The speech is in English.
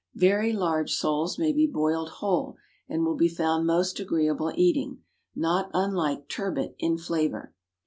Very large soles may be boiled whole, and will be found most agreeable eating, not unlike turbot in flavour.